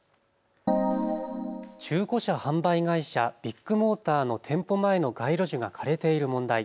中古車販売会社、ビッグモーターの店舗前の街路樹が枯れている問題。